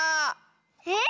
えっ？